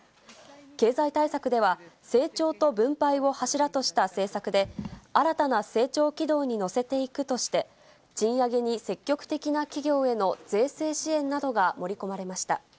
経済対策では、成長と分配を柱とした政策で、新たな成長軌道に乗せていくとして、賃上げに積極的な企業への税制支援などが盛り込まれました。